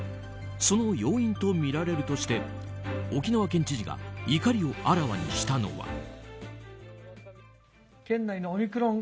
その要因とみられるとして沖縄県知事が怒りをあらわにしたのは。